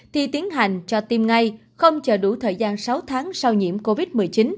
thì tiến hành cho tiêm ngay không chờ đủ thời gian sáu tháng sau nhiễm covid một mươi chín